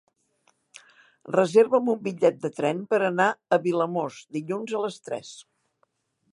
Reserva'm un bitllet de tren per anar a Vilamòs dilluns a les tres.